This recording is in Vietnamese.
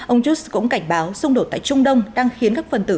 ông just cũng cảnh báo xung đột tại trung đông đang khiến các phần tử